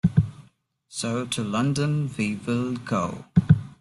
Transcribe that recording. So to London we will go.